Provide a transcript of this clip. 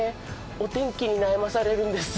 お天気に悩まされるんです。